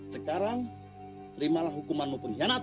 sekarang terimalah hukumanmu penyianat